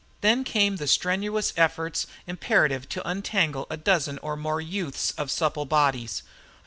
Then came the strenuous efforts imperative to untangle a dozen or more youths of supple bodies.